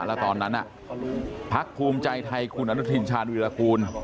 แล้วตอนนั้นพักภูมิใจไทยคุณอนุทินชาญวิรากูล